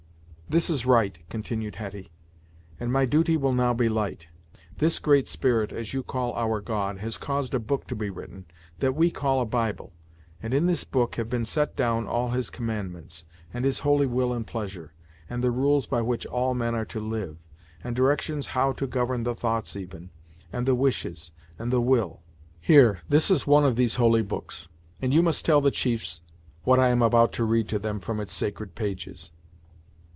"This is right," continued Hetty, "and my duty will now be light. This Great Spirit, as you call our God, has caused a book to be written, that we call a Bible, and in this book have been set down all his commandments, and his holy will and pleasure, and the rules by which all men are to live, and directions how to govern the thoughts even, and the wishes, and the will. Here, this is one of these holy books, and you must tell the chiefs what I am about to read to them from its sacred pages."